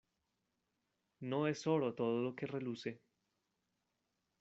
No es oro todo lo que reluce.